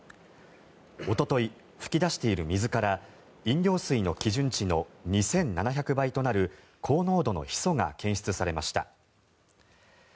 おととい、噴き出している水から飲料水の基準値のおよそ２７００倍となる高濃度のヒ素が検出されました。